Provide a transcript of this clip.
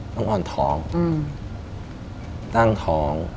น้องอ๋อนท้องตั้งท้อง